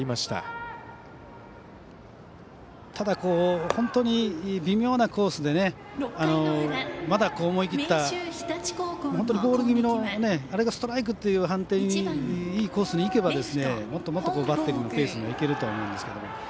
ただ本当に微妙なコースでまだ思い切った本当にボール気味のあれがストライクという判定のいいコースにいけばもっともっとバッテリーのペースでいけると思いますけど。